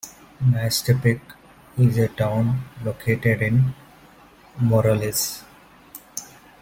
Mazatepec is a town located in Morelos.